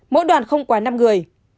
mỗi đoàn không quá năm người